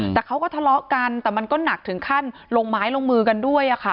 แต่เขาก็ทะเลาะกันแต่มันก็หนักถึงขั้นลงไม้ลงมือกันด้วยค่ะ